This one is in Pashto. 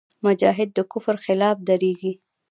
مجاهد د کفر خلاف درېږي.